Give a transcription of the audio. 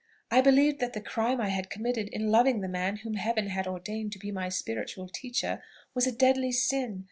I believed that the crime I had committed in loving the man whom Heaven had ordained to be my spiritual teacher, was a deadly sin.